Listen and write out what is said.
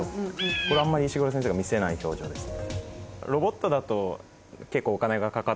これはあんまり石黒先生が見せない表情ですね。